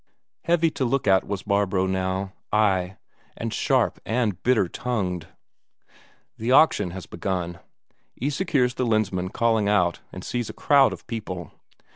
Heavy to look at was Barbro now ay, and sharp and bitter tongued! The auction has begun; Isak hears the Lensmand calling out, and sees a crowd of people.